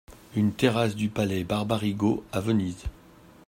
Une terrasse du palais barbarigo, à Venise.